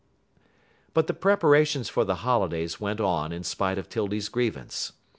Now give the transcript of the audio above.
But the preparations for the holidays went on in spite of 'Tildy's grievance.